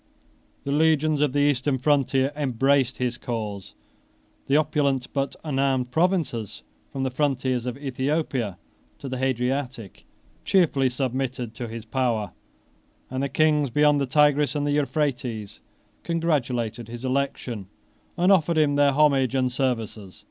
The legions of the eastern frontier embraced his cause; the opulent but unarmed provinces, from the frontiers of Æthiopia 23 to the Hadriatic, cheerfully submitted to his power; and the kings beyond the Tigris and the Euphrates congratulated his election, and offered him their homage and services.